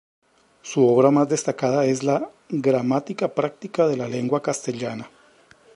Su obra más destacada es la "Gramática práctica de la lengua castellana".